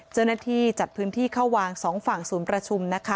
เจ้าหน้าที่จัดพื้นที่เข้าวาง๒ฝั่งศูนย์ประชุมนะคะ